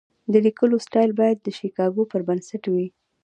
د لیکلو سټایل باید د شیکاګو پر بنسټ وي.